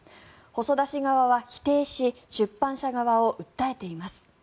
細田氏側は否定し出版社側を訴えています。